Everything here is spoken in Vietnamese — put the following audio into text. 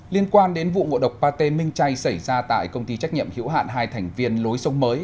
liên quan đến vụ ngộ độc pate minh chay xảy ra tại công ty trách nhiệm hiểu hạn hai thành viên lối sông mới